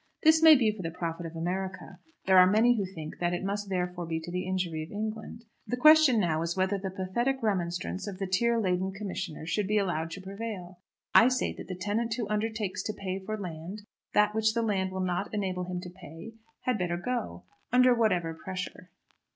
This may be for the profit of America. There are many who think that it must therefore be to the injury of England. The question now is whether the pathetic remonstrance of the tear laden commissioner should be allowed to prevail. I say that the tenant who undertakes to pay for land that which the land will not enable him to pay had better go, under whatever pressure.